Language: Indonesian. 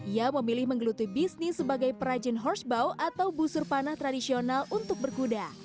ia memilih menggelutui bisnis sebagai perajin horse bow atau busur panah tradisional untuk berkuda